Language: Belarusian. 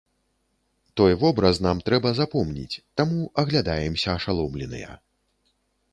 Той вобраз нам трэба запомніць, таму аглядаемся ашаломленыя.